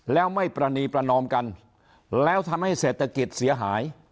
แล้วไม่ประนีประนอมกันแล้วทำให้เศรษฐกิจเสียหาย